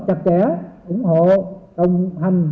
chặt chẽ ủng hộ tổng hành